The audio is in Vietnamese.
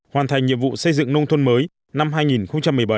hoàn thành nhiệm vụ xây dựng nông thôn mới năm hai nghìn một mươi bảy